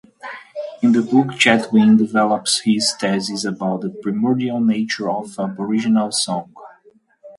In the book Chatwin develops his thesis about the primordial nature of Aboriginal song.